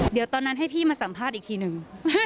เดี๋ยวตอนนั้นให้พี่มาสัมภาษณ์อีกทีหนึ่ง